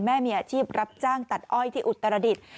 แม่มีอาชีพรับจ้างตัดอ้อยที่อุตรดิษฐ์